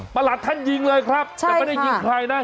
ประหลัดท่านยิงเลยครับเผื่อได้ยิงใครนะ